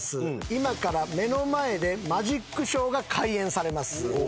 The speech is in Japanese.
今から目の前でマジックショーが開演されます。